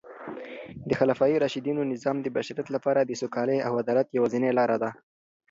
د خلفای راشدینو نظام د بشریت لپاره د سوکالۍ او عدالت یوازینۍ لاره ده.